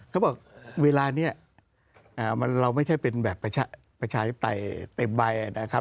เขาบอกเวลานี้เราไม่ใช่เป็นแบบประชาธิปไตยเต็มใบนะครับ